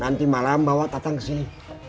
nanti malam bawa tatang kesini